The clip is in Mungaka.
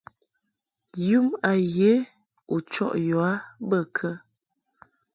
Yum a ye u chɔʼ yɔ a bə kə?